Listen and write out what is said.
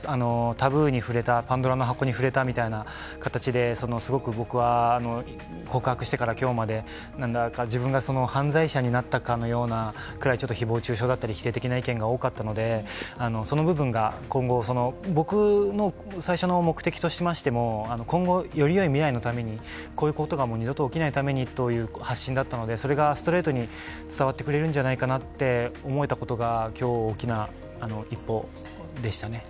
タブーに触れた、パンドラの箱に触れたみたいな形ですごく僕は、告白してから今日までなんだか自分が犯罪者になったかのような、誹謗中傷だったり否定的な意見が多かったので、その部分が今後、僕の最初の目的としましても今後、よりよい未来のためにこういうことが、もう二度と起きないためにという発信だったのでそれがストレートに伝わってくれるんじゃないかなと思えたことが今日、大きな一歩でしたね。